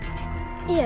いえ。